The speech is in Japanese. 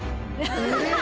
えっ！